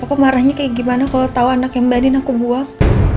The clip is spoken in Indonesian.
apa marahnya kayak gimana kalau tau anak yang mbak andin aku buang